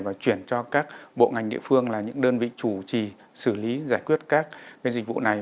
và chuyển cho các bộ ngành địa phương là những đơn vị chủ trì xử lý giải quyết các dịch vụ này